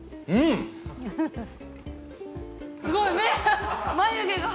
すごい目！